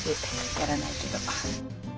やらないけど。